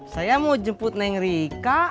saya mau jemput neng rika